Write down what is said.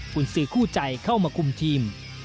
คุณซื้อคู่ใจเข้ามาคุมทีม